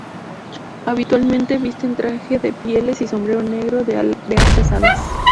Habitualmente visten traje de pieles y sombrero negro de anchas alas.